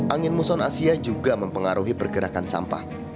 angin muson asia juga mempengaruhi pergerakan sampah